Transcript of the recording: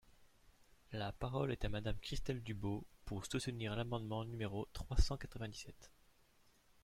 La parole est à Madame Christelle Dubos, pour soutenir l’amendement numéro trois cent quatre-vingt-dix-sept.